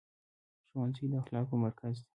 ښوونځی د اخلاقو مرکز دی.